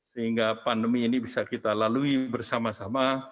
sehingga pandemi ini bisa kita lalui bersama sama